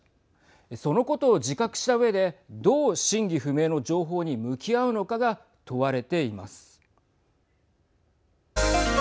そのことを自覚したうえでどう真偽不明の情報に向き合うのかが問われています。